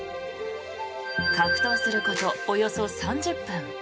格闘することおよそ３０分。